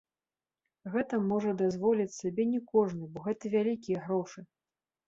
Гэта можа дазволіць сабе не кожны, бо гэта вялікія грошы.